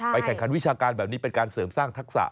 แข่งขันวิชาการแบบนี้เป็นการเสริมสร้างทักษะ